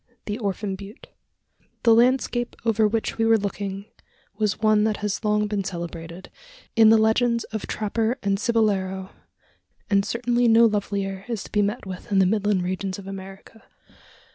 THE ORPHAN BUTTE. The landscape over which we were looking was one that has long been celebrated, in the legends of trapper and cibolero, and certainly no lovelier is to be met with in the midland regions of America.